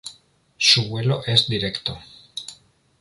Su vuelo es directo.